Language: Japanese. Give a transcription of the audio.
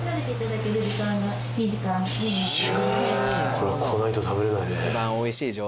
これは来ないと食べれないね。